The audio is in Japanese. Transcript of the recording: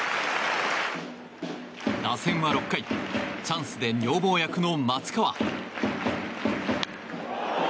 打線は６回チャンスで女房役の松川。